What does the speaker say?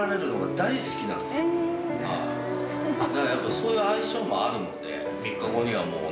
そういう相性もあるので。